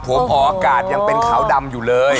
ผมออกอากาศยังเป็นขาวดำอยู่เลย